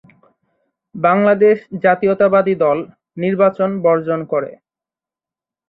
বাংলাদেশ জাতীয়তাবাদী দল নির্বাচন বর্জন করে।